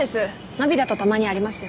ナビだとたまにありますよね。